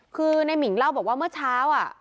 คือในหมิ่งเล่าบอกว่าเมื่อเช้า